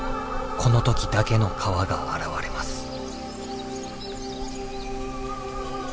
この時だけの川が現れます。